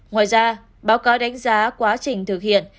ngoài ra báo cáo đánh giá quá trình thực hiện